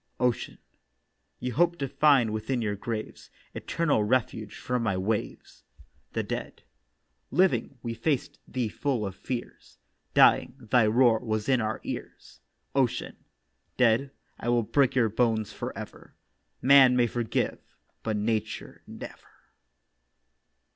OCEAN: 'You hoped to find within your graves Eternal refuge from my waves.' THE DEAD: 'Living, we faced thee full of fears; Dying, thy roar was in our ears.' OCEAN: 'Dead, I will break your bones for ever. Man may forgive, but Nature never.